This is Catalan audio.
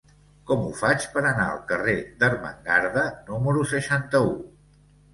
Com ho faig per anar al carrer d'Ermengarda número seixanta-u?